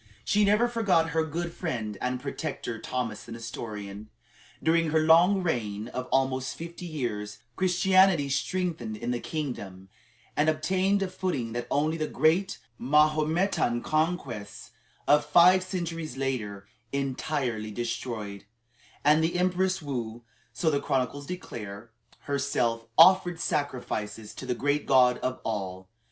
She never forgot her good friend and protector, Thomas the Nestorian. During her long reign of almost fifty years, Christianity strengthened in the kingdom, and obtained a footing that only the great Mahometan conquests of five centuries later entirely destroyed; and the Empress Woo, so the chronicles declare, herself "offered sacrifices to the great God of all."